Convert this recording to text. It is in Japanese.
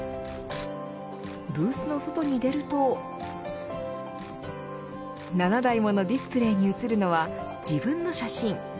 ブースの外に出ると７台ものディスプレーに映るのは自分の写真。